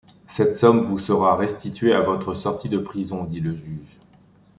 Cette somme vous sera restituée à votre sortie de prison, dit le juge.